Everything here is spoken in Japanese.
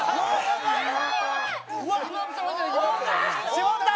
絞った。